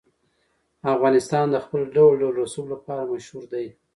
افغانستان د خپل ډول ډول رسوب لپاره مشهور دی.